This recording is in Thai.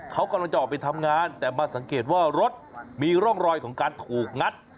เขากำลังจะออกไปทำงานแต่มาสังเกตว่ารถมีร่องรอยของการถูกงัด